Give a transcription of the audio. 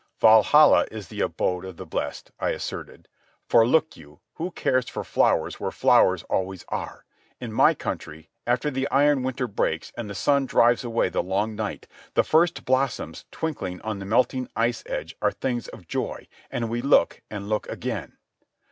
"Valhalla is the abode of the blest," I asserted. "For look you, who cares for flowers where flowers always are? In my country, after the iron winter breaks and the sun drives away the long night, the first blossoms twinkling on the melting ice edge are things of joy, and we look, and look again.